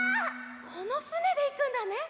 このふねでいくんだね！